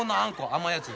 甘いやつ。